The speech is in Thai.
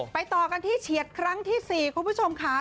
ต่อกันที่เฉียดครั้งที่๔คุณผู้ชมค่ะ